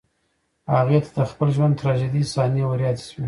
هغې ته د خپل ژوند تراژيدي صحنې وريادې شوې